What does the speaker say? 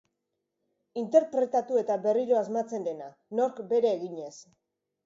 Interpretatu eta berriro asmatzen dena, nork bere eginez.